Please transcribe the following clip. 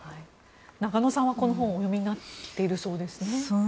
中野さんは、この本お読みになっているそうですね。